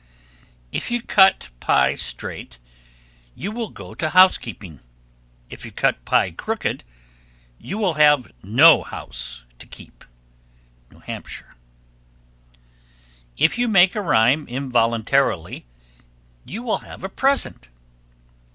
1311. If you cut pie straight, you will go to housekeeping. If you cut pie crooked, you will have no house to keep. New Hampshire. 1312. If you make a rhyme involuntarily, you will have a present.